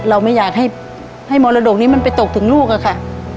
เราไม่อยากให้มรดกนี้มันไปตกถึงลูกอะค่ะ